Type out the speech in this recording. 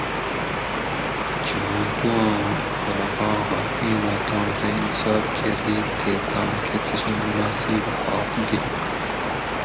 چھاں تُوآں خلقاں حاق اِینوں تام سہ انصاف کۤری تے تام کہ تسوں مناسب حاق دی